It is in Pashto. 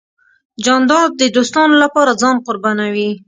جانداد د دوستانو له پاره ځان قربانوي .